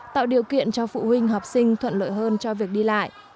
tạo điều kiện cho phụ huynh học sinh thuận lợi hơn cho việc đi lại